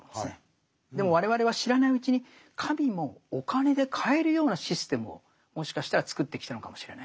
でも我々は知らないうちに神もお金で買えるようなシステムをもしかしたら作ってきたのかもしれない。